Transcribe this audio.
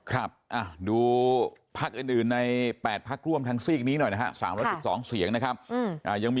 ครับดูภักด์อื่นในปรกร่วม๘ทั้งซีกนี้หน่อยนะฮะ๓๑๒เสียง